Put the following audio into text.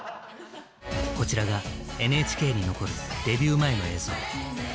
こちらがＮＨＫに残るデビュー前の映像。